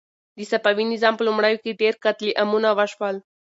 د صفوي نظام په لومړیو کې ډېر قتل عامونه وشول.